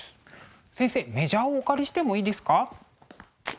先生メジャーをお借りしてもいいですか？